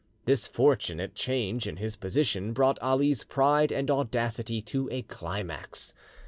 This fortunate change in his position brought Ali's pride and audacity to a climax.